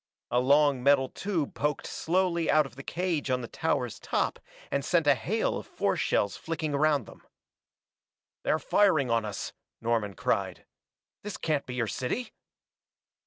A long metal tube poked slowly out of the cage on the tower's top and sent a hail of force shells flicking around them. "They're firing on us!" Norman cried. "This can't be your city!"